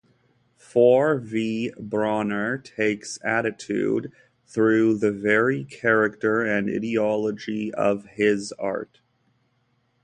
For V. Brauner takes attitude through the very character and ideology of his art.